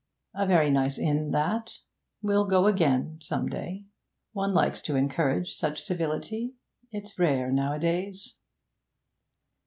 'A very nice inn, that. We'll go again some day. One likes to encourage such civility; it's rare nowadays.'